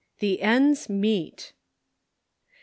THE ENDS MEET.